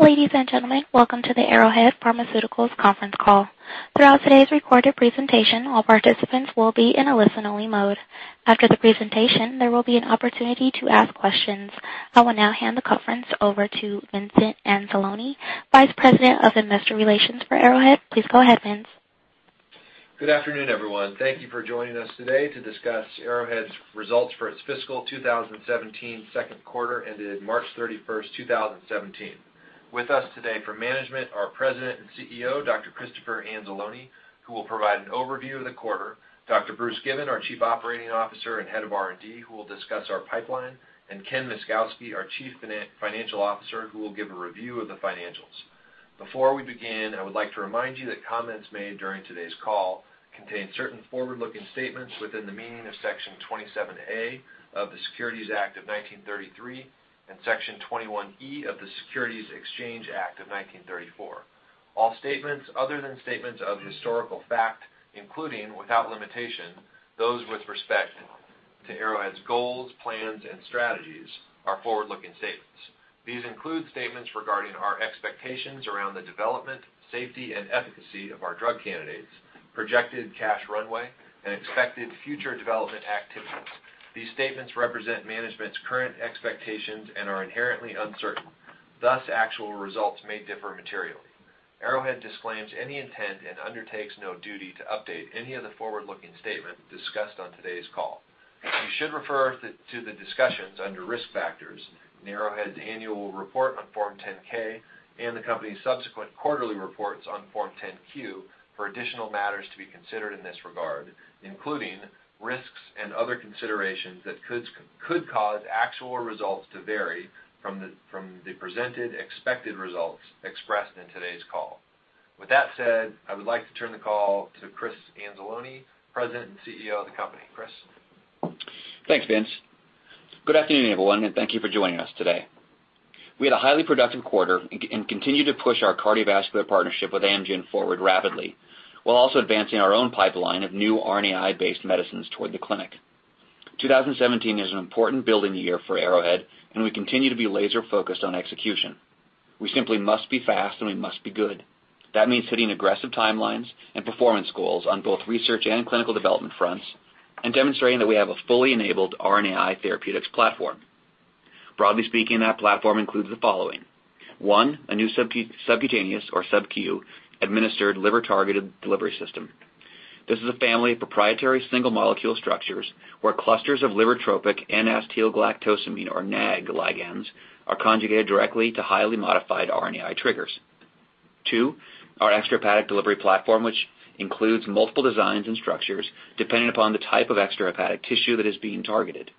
Ladies and gentlemen, welcome to the Arrowhead Pharmaceuticals conference call. Throughout today's recorded presentation, all participants will be in a listen-only mode. After the presentation, there will be an opportunity to ask questions. I will now hand the conference over to Vincent Anzalone, Vice President of Investor Relations for Arrowhead. Please go ahead, Vince. Good afternoon, everyone. Thank you for joining us today to discuss Arrowhead's results for its fiscal 2017 second quarter ended March 31st, 2017. With us today for management, our President and CEO, Dr. Christopher Anzalone, who will provide an overview of the quarter, Dr. Bruce Given, our Chief Operating Officer and Head of R&D, who will discuss our pipeline, and Ken Myszkowski, our Chief Financial Officer, who will give a review of the financials. Before we begin, I would like to remind you that comments made during today's call contain certain forward-looking statements within the meaning of Section 27A of the Securities Act of 1933 and Section 21E of the Securities Exchange Act of 1934. All statements other than statements of historical fact, including, without limitation, those with respect to Arrowhead's goals, plans, and strategies, are forward-looking statements. These include statements regarding our expectations around the development, safety, and efficacy of our drug candidates, projected cash runway, and expected future development activities. These statements represent management's current expectations and are inherently uncertain. Actual results may differ materially. Arrowhead disclaims any intent and undertakes no duty to update any of the forward-looking statements discussed on today's call. You should refer to the discussions under Risk Factors in Arrowhead's annual report on Form 10-K and the company's subsequent quarterly reports on Form 10-Q for additional matters to be considered in this regard, including risks and other considerations that could cause actual results to vary from the presented expected results expressed in today's call. With that said, I would like to turn the call to Chris Anzalone, President and CEO of the company. Chris? Thanks, Vince. Good afternoon, everyone, and thank you for joining us today. We had a highly productive quarter and continue to push our cardiovascular partnership with Amgen forward rapidly, while also advancing our own pipeline of new RNAi-based medicines toward the clinic. 2017 is an important building year for Arrowhead, and we continue to be laser-focused on execution. We simply must be fast, and we must be good. That means hitting aggressive timelines and performance goals on both research and clinical development fronts and demonstrating that we have a fully enabled RNAi therapeutics platform. Broadly speaking, that platform includes the following. One, a new subcutaneous, or subQ-administered liver-targeted delivery system. This is a family of proprietary single molecule structures where clusters of liver tropic N-acetylgalactosamine, or GalNAc ligands, are conjugated directly to highly modified RNAi triggers. Two, our extrahepatic delivery platform, which includes multiple designs and structures depending upon the type of extrahepatic tissue that is being targeted.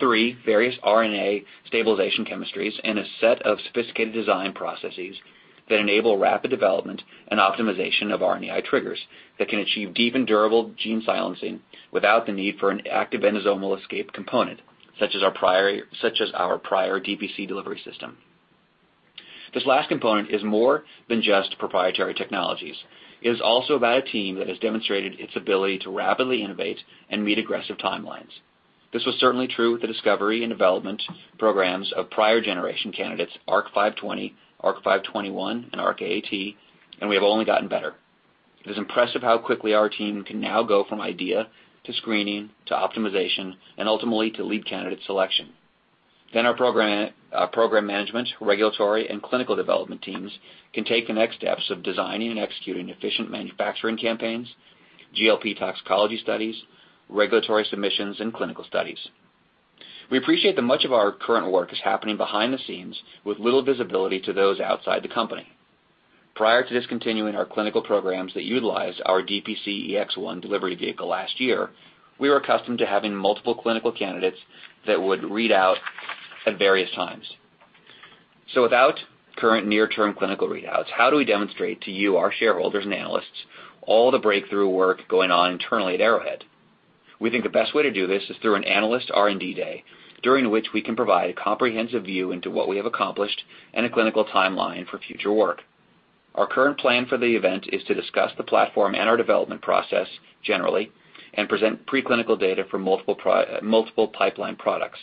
Three, various RNA stabilization chemistries and a set of sophisticated design processes that enable rapid development and optimization of RNAi triggers that can achieve deep and durable gene silencing without the need for an active endosomal escape component, such as our prior DPC delivery system. This last component is more than just proprietary technologies. It is also about a team that has demonstrated its ability to rapidly innovate and meet aggressive timelines. This was certainly true with the discovery and development programs of prior generation candidates ARC-520, ARC-521, and ARC-AAT, and we have only gotten better. It is impressive how quickly our team can now go from idea to screening, to optimization, and ultimately to lead candidate selection. Our program management, regulatory, and clinical development teams can take the next steps of designing and executing efficient manufacturing campaigns, GLP toxicology studies, regulatory submissions, and clinical studies. We appreciate that much of our current work is happening behind the scenes with little visibility to those outside the company. Prior to discontinuing our clinical programs that utilized our EX1 delivery vehicle last year, we were accustomed to having multiple clinical candidates that would read out at various times. Without current near-term clinical readouts, how do we demonstrate to you, our shareholders and analysts, all the breakthrough work going on internally at Arrowhead? We think the best way to do this is through an analyst R&D day, during which we can provide a comprehensive view into what we have accomplished and a clinical timeline for future work. Our current plan for the event is to discuss the platform and our development process generally and present preclinical data for multiple pipeline products.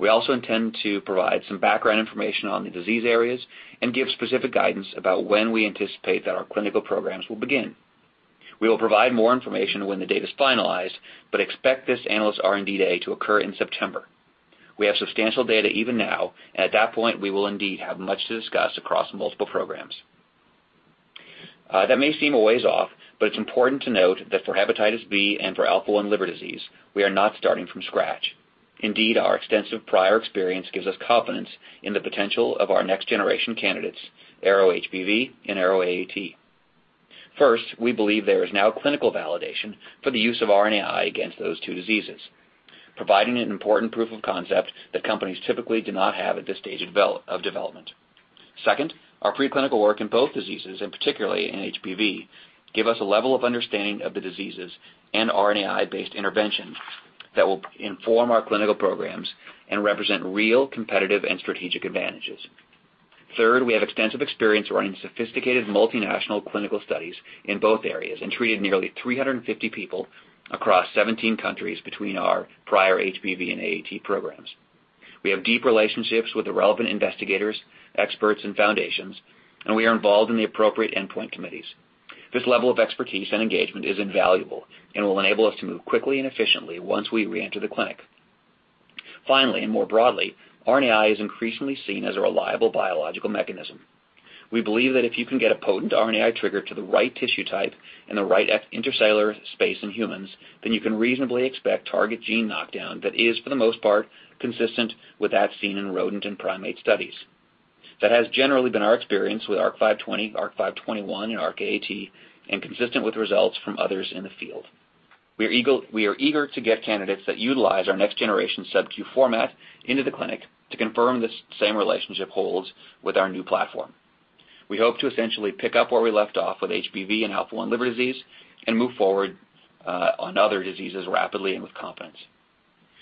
We also intend to provide some background information on the disease areas and give specific guidance about when we anticipate that our clinical programs will begin. We will provide more information when the date is finalized, but expect this analyst R&D day to occur in September. We have substantial data even now, and at that point, we will indeed have much to discuss across multiple programs. That may seem a ways off, but it is important to note that for hepatitis B and for Alpha-1 liver disease, we are not starting from scratch. Indeed, our extensive prior experience gives us confidence in the potential of our next-generation candidates, ARO-HBV and ARO-AAT. First, we believe there is now clinical validation for the use of RNAi against those two diseases, providing an important proof of concept that companies typically do not have at this stage of development. Second, our preclinical work in both diseases, and particularly in HBV, give us a level of understanding of the diseases and RNAi-based interventions that will inform our clinical programs and represent real competitive and strategic advantages. Third, we have extensive experience running sophisticated multinational clinical studies in both areas and treated nearly 350 people across 17 countries between our prior HBV and AAT programs. We have deep relationships with the relevant investigators, experts, and foundations, and we are involved in the appropriate endpoint committees. This level of expertise and engagement is invaluable and will enable us to move quickly and efficiently once we re-enter the clinic. Finally, more broadly, RNAi is increasingly seen as a reliable biological mechanism. We believe that if you can get a potent RNAi trigger to the right tissue type in the right intercellular space in humans, then you can reasonably expect target gene knockdown that is, for the most part, consistent with that seen in rodent and primate studies. That has generally been our experience with ARC-520, ARC-521, and ARC-AAT, and consistent with results from others in the field. We are eager to get candidates that utilize our next-generation subQ format into the clinic to confirm the same relationship holds with our new platform. We hope to essentially pick up where we left off with HBV and Alpha-1 liver disease and move forward on other diseases rapidly and with confidence.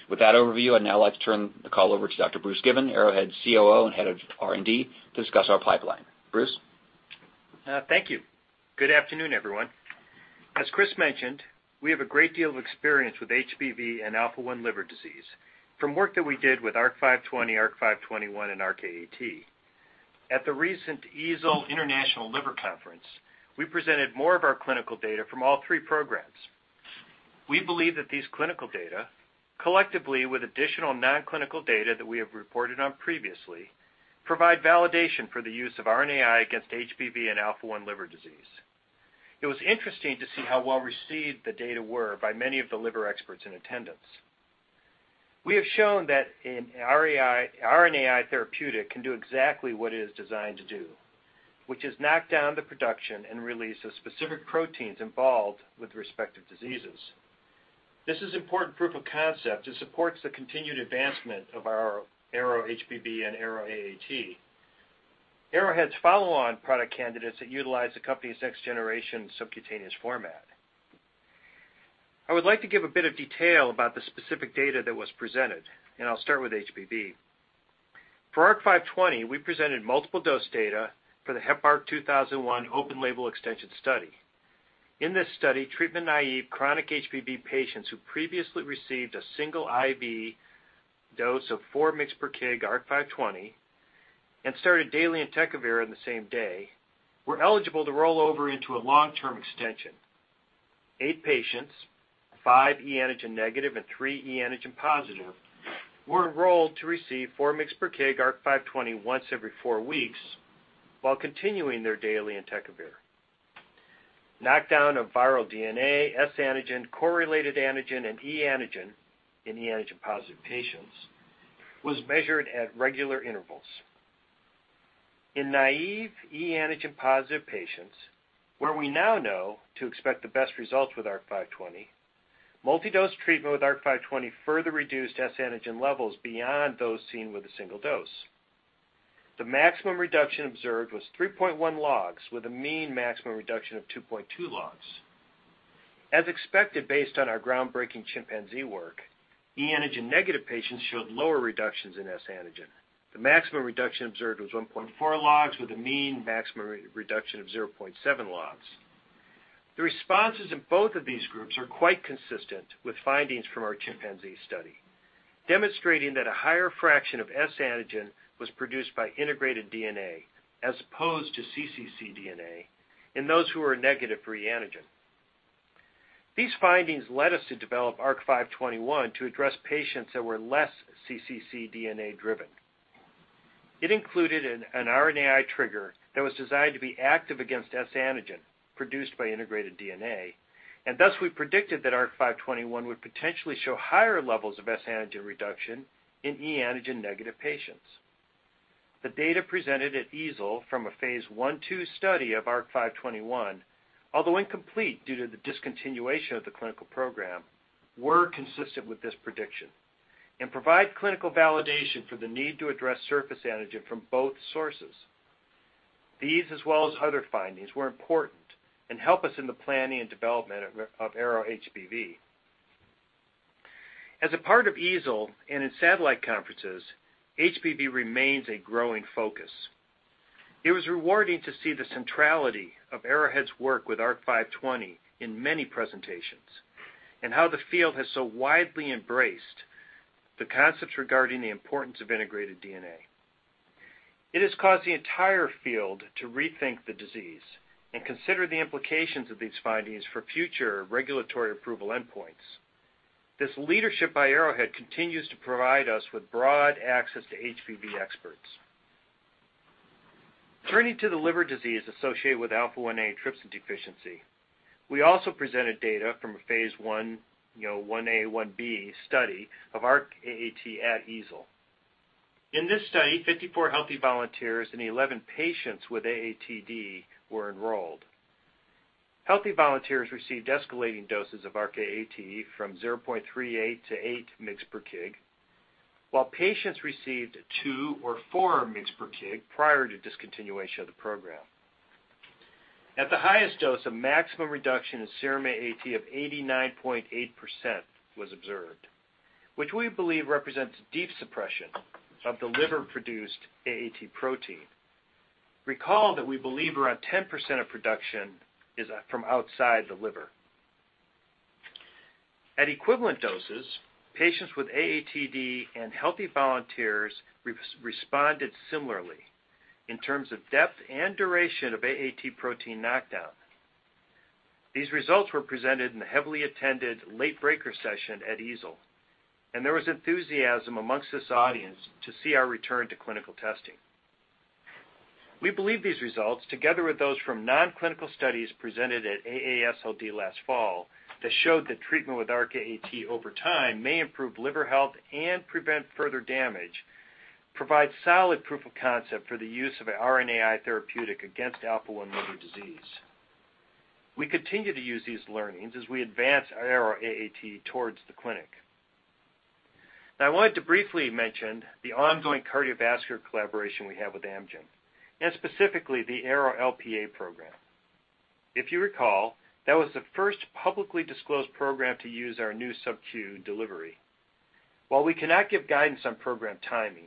With that overview, I'd now like to turn the call over to Dr. Bruce Given, Arrowhead's COO and head of R&D, to discuss our pipeline. Bruce? Thank you. Good afternoon, everyone. As Chris mentioned, we have a great deal of experience with HBV and Alpha-1 liver disease from work that we did with ARC-520, ARC-521, and ARC-AAT. At the recent EASL International Liver Congress, we presented more of our clinical data from all three programs. We believe that these clinical data, collectively with additional non-clinical data that we have reported on previously, provide validation for the use of RNAi against HBV and Alpha-1 liver disease. It was interesting to see how well-received the data were by many of the liver experts in attendance. We have shown that an RNAi therapeutic can do exactly what it is designed to do, which is knock down the production and release of specific proteins involved with respective diseases. This is important proof of concept that supports the continued advancement of our ARO-HBV and ARO-AAT. Arrowhead's follow-on product candidates that utilize the company's next-generation subcutaneous format. I would like to give a bit of detail about the specific data that was presented. I'll start with HBV. For ARC-520, we presented multiple dose data for the Heparc-2001 open label extension study. In this study, treatment-naive chronic HBV patients who previously received a single IV dose of 4 mg per kg ARC-520 and started daily entecavir in the same day were eligible to roll over into a long-term extension. eight patients, 5 E antigen negative and 3 E antigen positive, were enrolled to receive 4 mg per kg ARC-520 once every four weeks while continuing their daily entecavir. Knockdown of viral DNA, S antigen, core-related antigen, and E antigen in E antigen-positive patients was measured at regular intervals. In naive HBeAg-positive patients, where we now know to expect the best results with ARC-520, multi-dose treatment with ARC-520 further reduced HBsAg levels beyond those seen with a single dose. The maximum reduction observed was 3.1 logs with a mean maximum reduction of 2.2 logs. As expected, based on our groundbreaking chimpanzee work, HBeAg-negative patients showed lower reductions in HBsAg. The maximum reduction observed was 1.4 logs with a mean maximum reduction of 0.7 logs. The responses in both of these groups are quite consistent with findings from our chimpanzee study, demonstrating that a higher fraction of HBsAg was produced by integrated DNA as opposed to cccDNA in those who are negative for HBeAg. These findings led us to develop ARC-521 to address patients that were less cccDNA-driven. It included an RNAi trigger that was designed to be active against HBsAg produced by integrated DNA, thus we predicted that ARC-521 would potentially show higher levels of HBsAg reduction in HBeAg-negative patients. The data presented at EASL from a phase I-II study of ARC-521, although incomplete due to the discontinuation of the clinical program, were consistent with this prediction and provide clinical validation for the need to address HBsAg from both sources. These, as well as other findings, were important and help us in the planning and development of ARO-HBV. As a part of EASL and its satellite conferences, HBV remains a growing focus. It was rewarding to see the centrality of Arrowhead's work with ARC-520 in many presentations, and how the field has so widely embraced the concepts regarding the importance of integrated DNA. It has caused the entire field to rethink the disease and consider the implications of these findings for future regulatory approval endpoints. This leadership by Arrowhead continues to provide us with broad access to HBV experts. Turning to the liver disease associated with Alpha-1 antitrypsin deficiency, we also presented data from a phase I-A, I-B study of ARC-AAT at EASL. In this study, 54 healthy volunteers and 11 patients with AATD were enrolled. Healthy volunteers received escalating doses of ARC-AAT from 0.38 to 8 mg per kg, while patients received 2 or 4 mg per kg prior to discontinuation of the program. At the highest dose, a maximum reduction in serum AAT of 89.8% was observed, which we believe represents deep suppression of the liver-produced AAT protein. Recall that we believe around 10% of production is from outside the liver. At equivalent doses, patients with AATD and healthy volunteers responded similarly in terms of depth and duration of AAT protein knockdown. These results were presented in the heavily attended late-breaker session at EASL, there was enthusiasm amongst this audience to see our return to clinical testing. We believe these results, together with those from non-clinical studies presented at AASLD last fall that showed that treatment with ARC-AAT over time may improve liver health and prevent further damage, provide solid proof of concept for the use of an RNAi therapeutic against Alpha-1 liver disease. We continue to use these learnings as we advance ARO-AAT towards the clinic. Now I wanted to briefly mention the ongoing cardiovascular collaboration we have with Amgen, specifically the ARO-LPA program. If you recall, that was the first publicly disclosed program to use our new subQ delivery. While we cannot give guidance on program timing,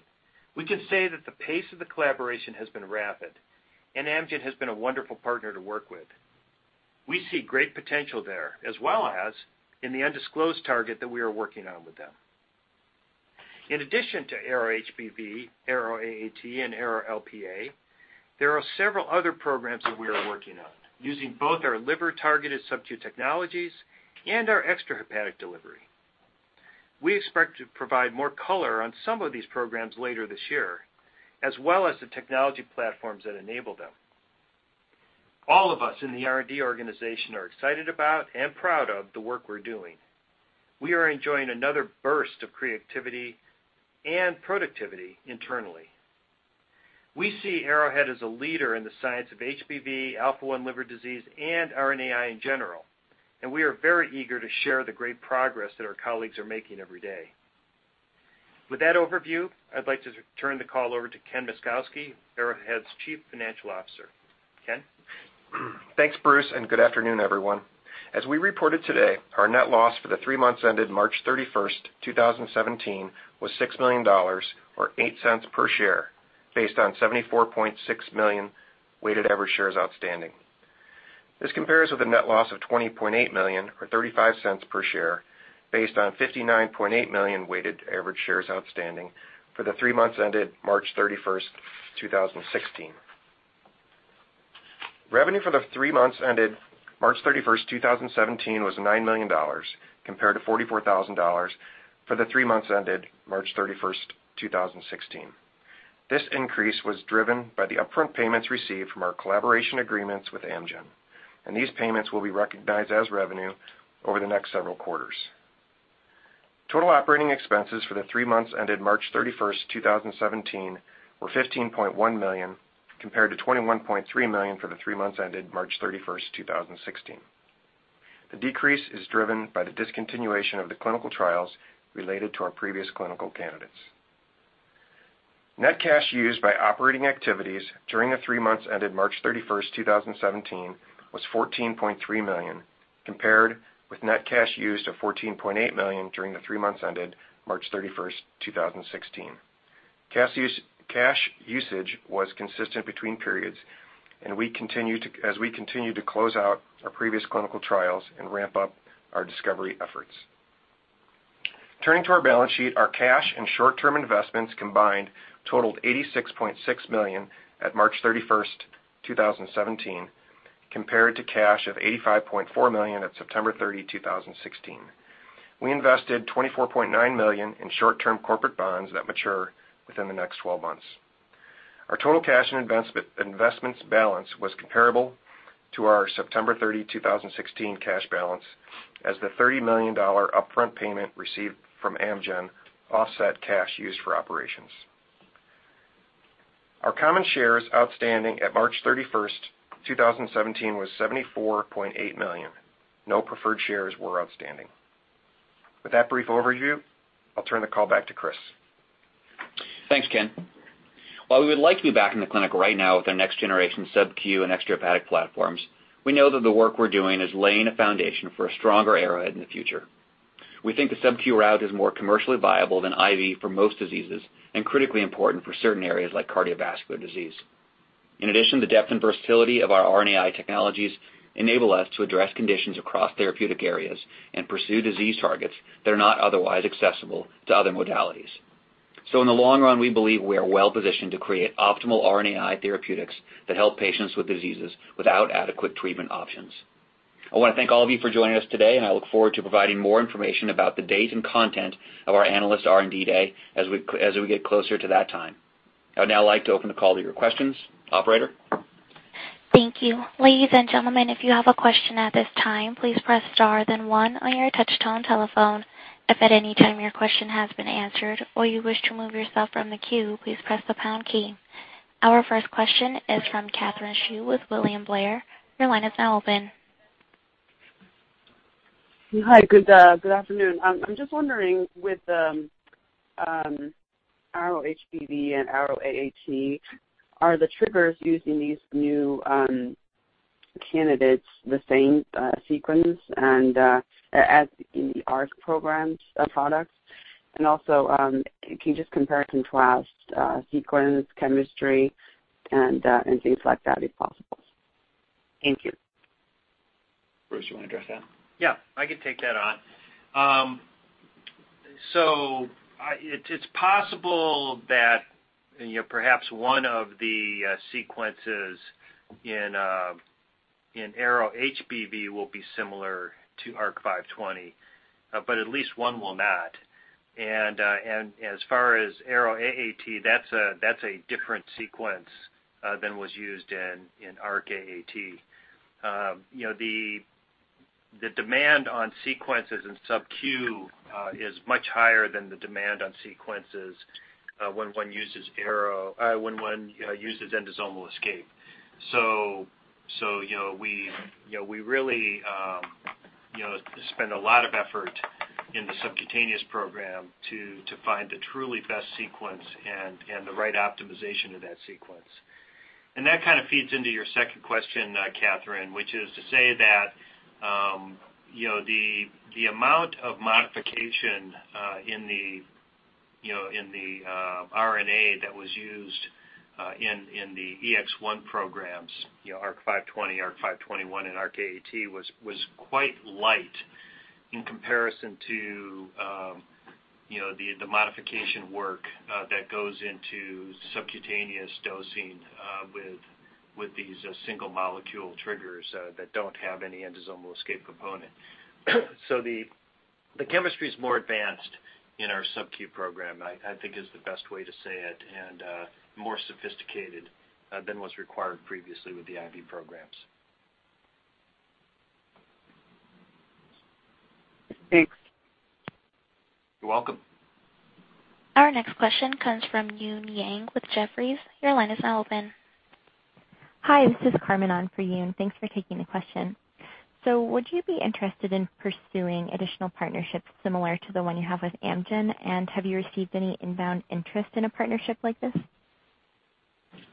we can say that the pace of the collaboration has been rapid, and Amgen has been a wonderful partner to work with. We see great potential there, as well as in the undisclosed target that we are working on with them. In addition to ARO-HBV, ARO-AAT, and ARO-LPA, there are several other programs that we are working on using both our liver-targeted subQ technologies and our extrahepatic delivery. We expect to provide more color on some of these programs later this year, as well as the technology platforms that enable them. All of us in the R&D organization are excited about and proud of the work we're doing. We are enjoying another burst of creativity and productivity internally. We see Arrowhead as a leader in the science of HBV, Alpha-1 liver disease, and RNAi in general, and we are very eager to share the great progress that our colleagues are making every day. With that overview, I'd like to turn the call over to Ken Myszkowski, Arrowhead's Chief Financial Officer. Ken? Thanks, Bruce, good afternoon, everyone. As we reported today, our net loss for the three months ended March 31st, 2017, was $6 million or $0.08 per share, based on 74.6 million weighted average shares outstanding. This compares with a net loss of $20.8 million or $0.35 per share based on 59.8 million weighted average shares outstanding for the three months ended March 31st, 2016. Revenue for the three months ended March 31st, 2017, was $9 million compared to $44,000 for the three months ended March 31st, 2016. This increase was driven by the upfront payments received from our collaboration agreements with Amgen, these payments will be recognized as revenue over the next several quarters. Total operating expenses for the three months ended March 31st, 2017, were $15.1 million compared to $21.3 million for the three months ended March 31st, 2016. The decrease is driven by the discontinuation of the clinical trials related to our previous clinical candidates. Net cash used by operating activities during the three months ended March 31st, 2017, was $14.3 million, compared with net cash used of $14.8 million during the three months ended March 31st, 2016. Cash usage was consistent between periods as we continue to close out our previous clinical trials and ramp up our discovery efforts. Turning to our balance sheet, our cash and short-term investments combined totaled $86.6 million at March 31st, 2017, compared to cash of $85.4 million at September 30, 2016. We invested $24.9 million in short-term corporate bonds that mature within the next 12 months. Our total cash and investments balance was comparable to our September 30, 2016, cash balance as the $30 million upfront payment received from Amgen offset cash used for operations. Our common shares outstanding at March 31st, 2017, was $74.8 million. No preferred shares were outstanding. With that brief overview, I'll turn the call back to Chris. Thanks, Ken. While we would like to be back in the clinic right now with our next-generation subQ and extrahepatic platforms, we know that the work we're doing is laying a foundation for a stronger Arrowhead in the future. We think the subQ route is more commercially viable than IV for most diseases and critically important for certain areas like cardiovascular disease. In addition, the depth and versatility of our RNAi technologies enable us to address conditions across therapeutic areas and pursue disease targets that are not otherwise accessible to other modalities. In the long run, we believe we are well positioned to create optimal RNAi therapeutics that help patients with diseases without adequate treatment options. I want to thank all of you for joining us today, and I look forward to providing more information about the date and content of our analyst R&D day as we get closer to that time. I would now like to open the call to your questions. Operator? Thank you. Ladies and gentlemen, if you have a question at this time, please press star then one on your touch-tone telephone. If at any time your question has been answered or you wish to remove yourself from the queue, please press the pound key. Our first question is from Katherine Xu with William Blair. Your line is now open. Hi. Good afternoon. I'm just wondering with ARO-HBV and ARO-AAT, are the triggers using these new candidates the same sequence as in the ARC programs products? Also, can you just compare and contrast sequence, chemistry, and things like that if possible? Thank you. Bruce, you want to address that? Yeah, I can take that on. It's possible that perhaps one of the sequences in ARO-HBV will be similar to ARC-520, but at least one will not. As far as ARO-AAT, that's a different sequence than was used in ARC-AAT. The demand on sequences in subQ is much higher than the demand on sequences when one uses endosomal escape. We really spend a lot of effort in the subcutaneous program to find the truly best sequence and the right optimization of that sequence. That kind of feeds into your second question, Katherine, which is to say that the amount of modification in the RNA that was used in the EX1 programs, ARC-520, ARC-521, and ARC-AAT, was quite light in comparison to the modification work that goes into subcutaneous dosing with these single molecule triggers that don't have any endosomal escape component. The chemistry is more advanced in our subQ program, I think, is the best way to say it, and more sophisticated than what's required previously with the IV programs. Thanks. You're welcome. Our next question comes from Maury Raycroft with Jefferies. Your line is now open. Hi, this is Carmen on for Yoon. Thanks for taking the question. Would you be interested in pursuing additional partnerships similar to the one you have with Amgen? Have you received any inbound interest in a partnership like this?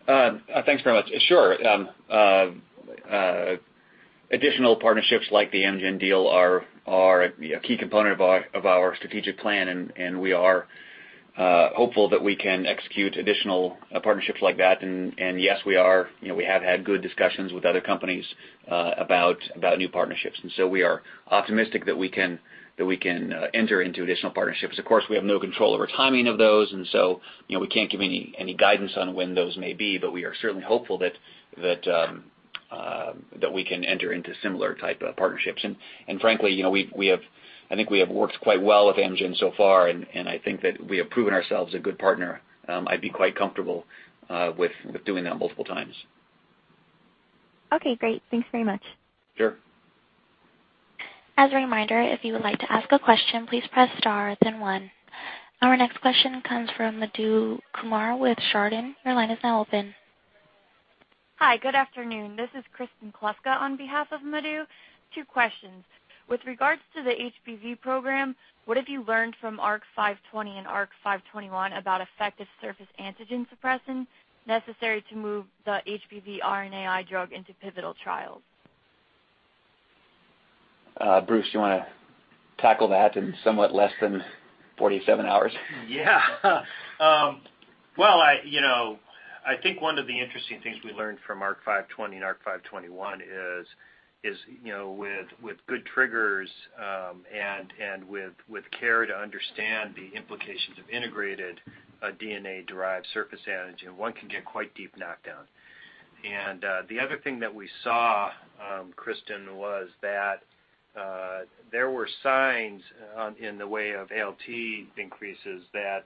Thanks very much. Sure. Additional partnerships like the Amgen deal are a key component of our strategic plan, and we are hopeful that we can execute additional partnerships like that. Yes, we have had good discussions with other companies about new partnerships. We are optimistic that we can enter into additional partnerships. We have no control over timing of those. We can't give any guidance on when those may be. We are certainly hopeful that we can enter into similar type of partnerships. Frankly, I think we have worked quite well with Amgen so far, and I think that we have proven ourselves a good partner. I'd be quite comfortable with doing that multiple times. Okay, great. Thanks very much. Sure. As a reminder, if you would like to ask a question, please press star then one. Our next question comes from Madhu Kumar with Chardan. Your line is now open. Hi, good afternoon. This is Kristen Klufka on behalf of Madhu. Two questions. With regards to the HBV program, what have you learned from ARC-520 and ARC-521 about effective surface antigen suppression necessary to move the HBV RNAi drug into pivotal trials? Bruce, do you want to tackle that in somewhat less than 47 hours? Well, I think one of the interesting things we learned from ARC-520 and ARC-521 is with good triggers and with care to understand the implications of integrated DNA-derived surface antigen, one can get quite deep knockdown. The other thing that we saw, Kristen, was that there were signs in the way of ALT increases that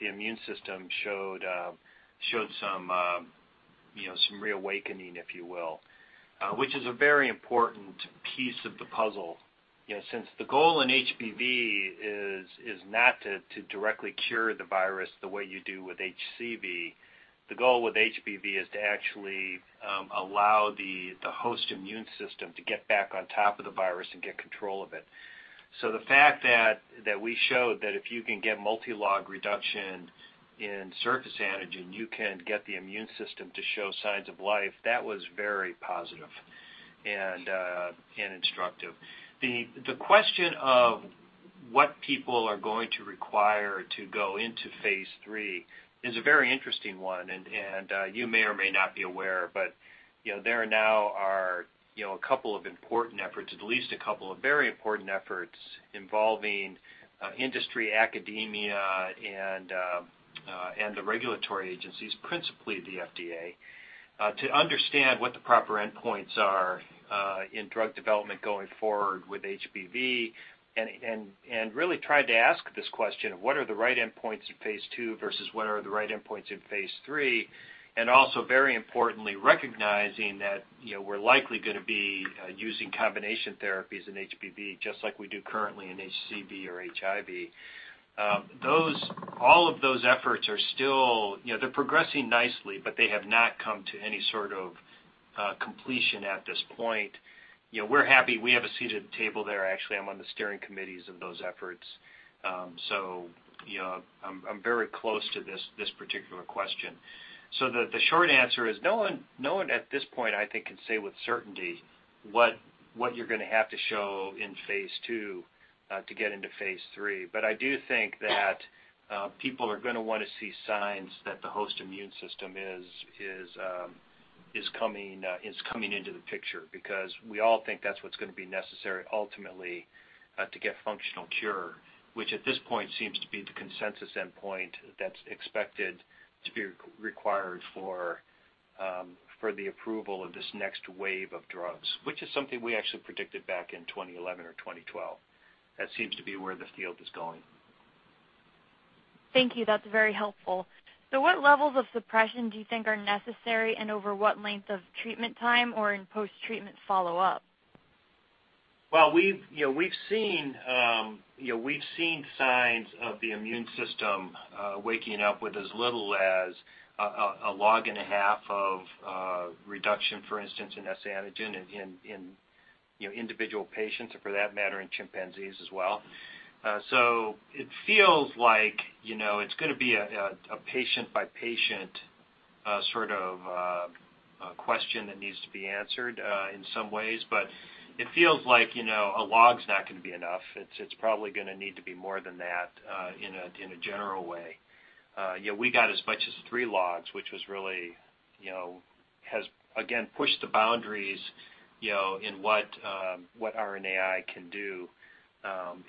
the immune system showed some reawakening, if you will, which is a very important piece of the puzzle. Since the goal in HBV is not to directly cure the virus the way you do with HCV. The goal with HBV is to actually allow the host immune system to get back on top of the virus and get control of it. The fact that we showed that if you can get multi-log reduction in surface antigen, you can get the immune system to show signs of life, that was very positive and instructive. The question of what people are going to require to go into phase III is a very interesting one, and you may or may not be aware, but there now are a couple of important efforts, at least a couple of very important efforts involving industry, academia, and the regulatory agencies, principally the FDA, to understand what the proper endpoints are in drug development going forward with HBV and really tried to ask this question, what are the right endpoints in phase II versus what are the right endpoints in phase III? Also very importantly, recognizing that we're likely going to be using combination therapies in HBV, just like we do currently in HCV or HIV. All of those efforts are still progressing nicely, but they have not come to any sort of completion at this point. We're happy. We have a seat at the table there. Actually, I'm on the steering committees of those efforts. I'm very close to this particular question. The short answer is, no one at this point, I think, can say with certainty what you're going to have to show in phase II to get into phase III. I do think that people are going to want to see signs that the host immune system is coming into the picture because we all think that's what's going to be necessary ultimately to get functional cure, which at this point seems to be the consensus endpoint that's expected to be required for the approval of this next wave of drugs, which is something we actually predicted back in 2011 or 2012. That seems to be where the field is going. Thank you. That's very helpful. What levels of suppression do you think are necessary, and over what length of treatment time or in post-treatment follow-up? We've seen signs of the immune system waking up with as little as a log and a half of reduction, for instance, in S-antigen in individual patients or, for that matter, in chimpanzees as well. It feels like it's going to be a patient-by-patient sort of question that needs to be answered in some ways, but it feels like a log's not going to be enough. It's probably going to need to be more than that in a general way. We got as much as three logs, which has again pushed the boundaries in what RNAi can do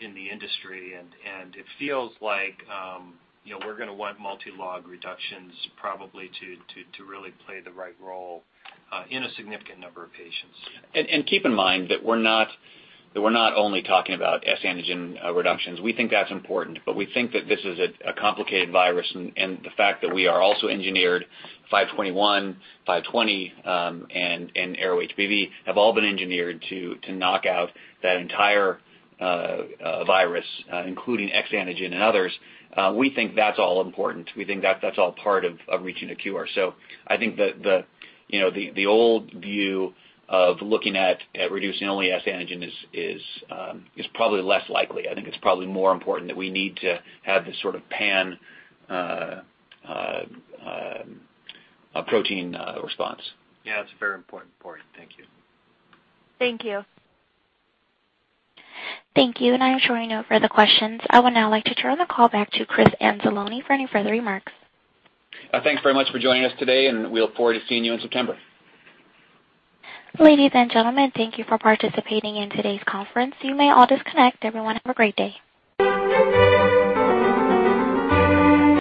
in the industry, and it feels like we're going to want multi-log reductions probably to really play the right role in a significant number of patients. Keep in mind that we're not only talking about S-antigen reductions. We think that's important, but we think that this is a complicated virus, and the fact that we are also engineered 521, 520, and ARO-HBV have all been engineered to knock out that entire virus including S-antigen and others. We think that's all important. We think that's all part of reaching a cure. I think the old view of looking at reducing only S-antigen is probably less likely. I think it's probably more important that we need to have this sort of pan protein response. Yeah, that's a very important point. Thank you. Thank you. Thank you. I am showing no further questions. I would now like to turn the call back to Chris Anzalone for any further remarks. Thanks very much for joining us today, and we look forward to seeing you in September. Ladies and gentlemen, thank you for participating in today's conference. You may all disconnect. Everyone, have a great day.